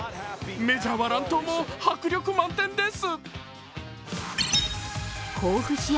メジャーは乱闘も迫力満点です。